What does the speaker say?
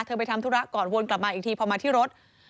ไปทำธุระก่อนวนกลับมาอีกทีพอมาที่รถ